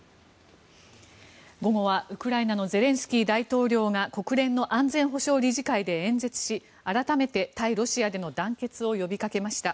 午後はウクライナのゼレンスキー大統領が国連の安全保障理事会で演説し改めて対ロシアでの団結を呼びかけました。